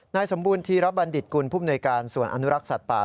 นายสมบูรณธีรบัณฑิตกุลผู้มนุยการส่วนอนุรักษ์สัตว์ป่า